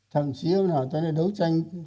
thậm chí hôm nào ta lại đấu tranh